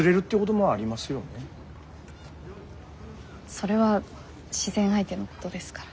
それは自然相手のことですから。